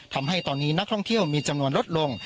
ทำให้ตอนนี้นักท่องเที่ยวมีจำนวนลดลง